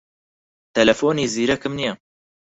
تەلەفۆنی زیرەکم نییە.